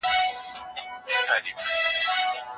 پښتورګي د بدن کیمیاوي مواد برابروي.